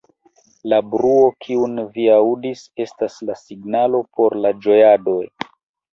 La bruo, kiun vi aŭdis, estas la signalo por la ĝojadoj.